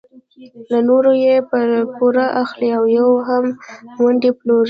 له نورو یې په پور اخلي او یا هم ونډې پلوري.